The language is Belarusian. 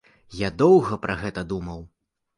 Я доўга пра гэта думаў.